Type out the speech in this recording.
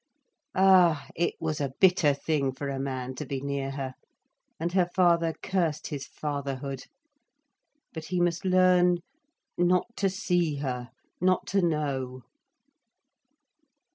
Ah it was a bitter thing for a man to be near her, and her father cursed his fatherhood. But he must learn not to see her, not to know.